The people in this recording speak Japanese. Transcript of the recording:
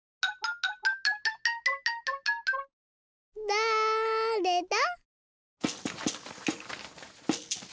だれだ？